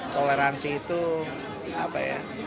toleransi itu apa ya